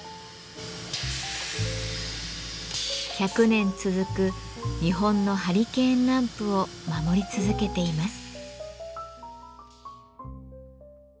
１００年続く日本のハリケーンランプを守り続けています。